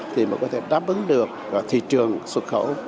thì mới có thể đáp ứng được thị trường xuất khẩu